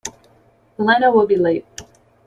Elena will be late.